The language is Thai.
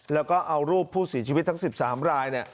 แล้วก็เอารูปผู้เสียชีวิตทั้ง๑๓ราย